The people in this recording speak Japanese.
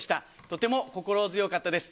とても心強かったです。